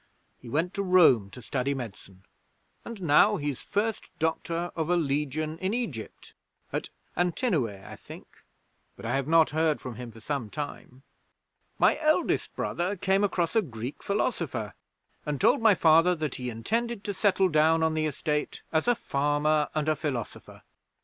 He went to Rome to study medicine, and now he's First Doctor of a Legion in Egypt at Antinoe, I think, but I have not heard from him for some time. 'My eldest brother came across a Greek philosopher, and told my Father that he intended to settle down on the estate as a farmer and a philosopher.